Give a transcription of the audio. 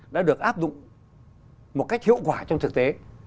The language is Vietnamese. đã được áp dụng một cách hiệu quả trong thực tế